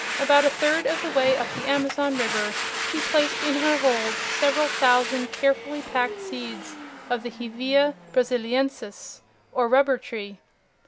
About a third of the way up the Amazon River he placed in her hold several thousand carefully packed seeds of the Hevea Braziliensis, or rubber tree.